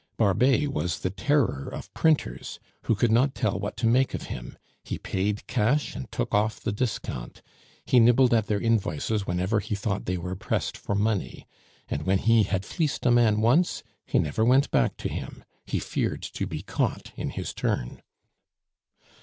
Barbet was the terror of printers, who could not tell what to make of him; he paid cash and took off the discount; he nibbled at their invoices whenever he thought they were pressed for money; and when he had fleeced a man once, he never went back to him he feared to be caught in his turn.